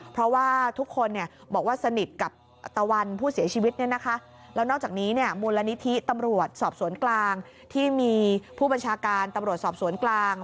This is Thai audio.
เพราะว่าทุกคนบอกว่าสนิทกับตะวันผู้เสียชีวิตเนี่ยนะคะแล้วนอกจากนี้เนี่ยมูลนิธิตำรวจสอบสวนกลางที่มีผู้บัญชาการตำรวจสอบสวนกลาง